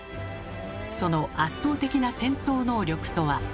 その「圧倒的な戦闘能力」とは？